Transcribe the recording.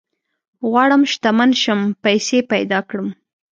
غواړم شتمن شم ، پيسي پيدا کړم